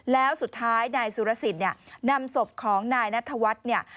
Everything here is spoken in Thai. แล้วสุดท้ายนายสุรสิทธิ์นำศพของนายนัทธวัฒน์